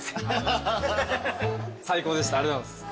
最高でしたありがとうございます。